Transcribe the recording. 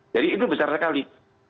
jadi itu besar sekali